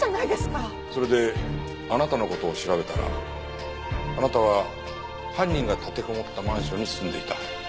それであなたの事を調べたらあなたは犯人が立てこもったマンションに住んでいた。